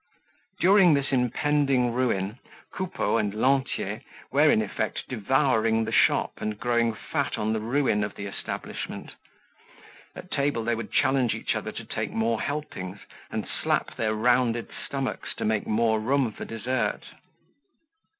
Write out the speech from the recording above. During this impending ruin, Coupeau and Lantier were, in effect, devouring the shop and growing fat on the ruin of the establishment. At table they would challenge each other to take more helpings and slap their rounded stomachs to make more room for dessert.